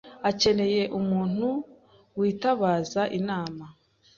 Akeneye umuntu witabaza inama.